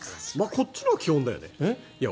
こっちのほうが基本だよね。